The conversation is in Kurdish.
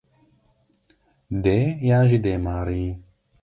Dê yan jî dêmarî?